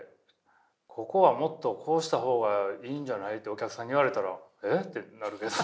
「ここはもっとこうした方がいいんじゃない？」ってお客さんに言われたら「えっ？」ってなるけど。